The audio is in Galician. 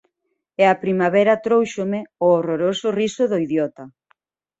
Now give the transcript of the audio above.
E a primavera tróuxome o horroroso riso do idiota.